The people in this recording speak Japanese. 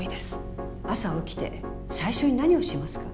朝起きて最初に何をしますか？